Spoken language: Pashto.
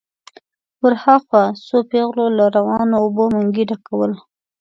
ور هاخوا څو پېغلو له روانو اوبو منګي ډکول.